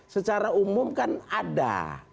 secara umum kan ada